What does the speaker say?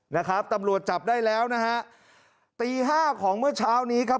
นะครับตำรวจจับได้แล้วนะฮะตีห้าของเมื่อเช้านี้ครับ